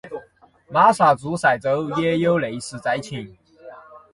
马萨诸塞州也有类似灾情。